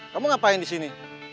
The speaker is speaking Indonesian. kamu ngapain disini